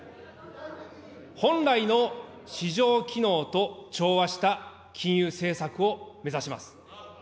本来の市場機能と調和した金融政策を目指します。